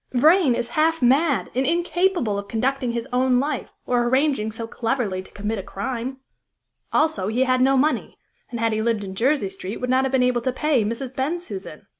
"Vrain is half mad and incapable of conducting his own life, or arranging so cleverly to commit a crime. Also he had no money, and, had he lived in Jersey Street, would not have been able to pay Mrs. Bensusan.